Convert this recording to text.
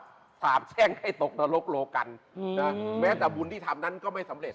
ก็สาบแช่งให้ตกนรกโลกันแม้แต่บุญที่ทำนั้นก็ไม่สำเร็จ